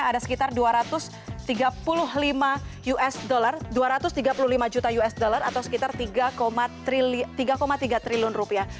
ada sekitar dua ratus tiga puluh lima usd atau sekitar tiga tiga triliun rupiah